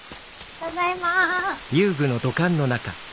ただいま。